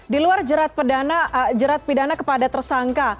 di luar jerat pidana kepada tersangka